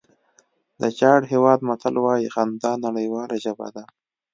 د چاډ هېواد متل وایي خندا نړیواله ژبه ده.